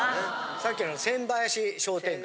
さっきの千林商店街。